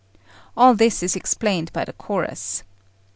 All this is explained by the chorus.